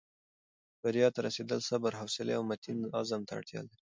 بریا ته رسېدل صبر، حوصلې او متین عزم ته اړتیا لري.